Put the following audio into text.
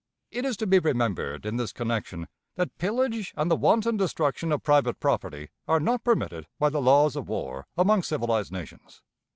It is to be remembered in this connection that pillage and the wanton destruction of private property are not permitted by the laws of war among civilized nations.